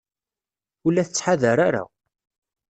Ur la tettḥadar ara.